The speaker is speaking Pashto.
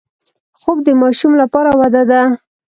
خوب د ماشوم لپاره وده ده